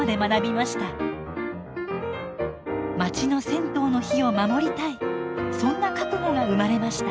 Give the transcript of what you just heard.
まちの銭湯の火を守りたいそんな覚悟が生まれました。